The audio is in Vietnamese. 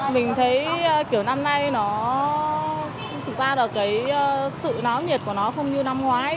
mình thấy kiểu năm nay nó thực ra là cái sự náo nhiệt của nó không như năm ngoái